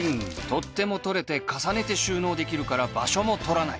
取っ手も取れて重ねて収納できるから場所も取らない！